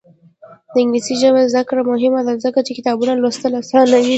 د انګلیسي ژبې زده کړه مهمه ده ځکه چې کتابونه لوستل اسانوي.